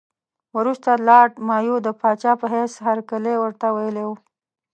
وروسته لارډ مایو د پاچا په حیث هرکلی ورته ویلی وو.